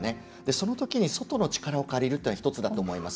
その時に外の力を借りるっていうのは１つだと思います。